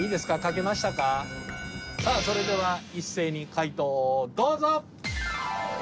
それでは一斉に解答をどうぞ！